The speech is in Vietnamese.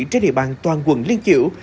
trên địa bàn toàn quận liên chiểu